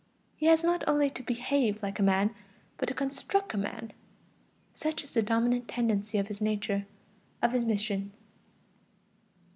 He has not only to "behave like a man," but to "construct a man;" such is the dominant tendency of his nature, of his mission.